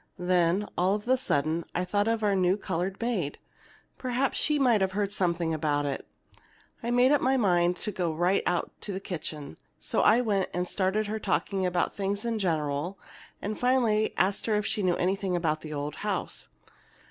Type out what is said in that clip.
Then, all of a sudden, I thought of our new colored maid. Perhaps she might have heard something about it. I made up my mind I'd go right out to the kitchen. So I went and started her talking about things in general and finally asked her if she knew anything about that old house.